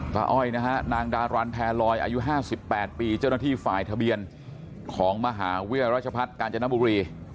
ตาอ้อยนะฮะนางดารันแทรรอยอายุห้าสิบแปดปีเจ้าหน้าที่ฝ่ายทะเบียนของมหาเวียรัชภัทรกาญจนบุรี